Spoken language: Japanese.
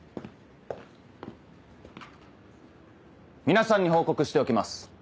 皆さんに報告しておきます。